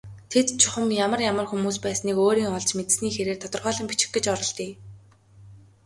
Тэд чухам ямар ямар хүмүүс байсныг өөрийн олж мэдсэний хэрээр тодорхойлон бичих гэж оролдъё.